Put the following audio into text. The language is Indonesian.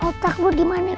otak lu dimana